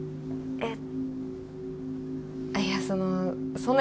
えっ？